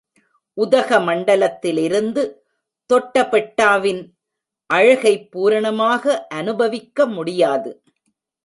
உதகமண்டலத்திலிருந்து தொட்டபெட்டாவின் அழகைப் பூரணமாக அனுபவிக்க முடியாது.